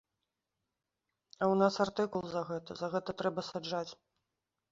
А ў нас артыкул за гэта, за гэта трэба саджаць.